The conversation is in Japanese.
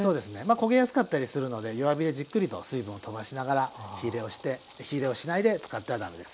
焦げやすかったりするので弱火でじっくりと水分をとばしながら火いれをして火いれをしないで使っては駄目です。